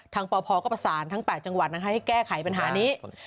ปพก็ประสานทั้ง๘จังหวัดให้แก้ไขปัญหานี้